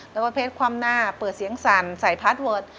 แล้วก็เพชรคว่ำหน้าเปิดเสียงสั่นใส่พาร์ทเวิร์ด